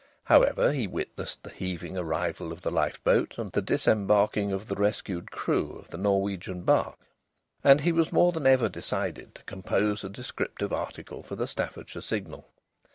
However, he witnessed the heaving arrival of the lifeboat and the disembarking of the rescued crew of the Norwegian barque, and he was more than ever decided to compose a descriptive article for the _Staffordshire Signal.